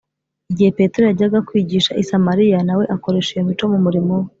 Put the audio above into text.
. Igihe Petero yajyaga kwigisha i Samariya, na we akoresha iyo mico mu murimo we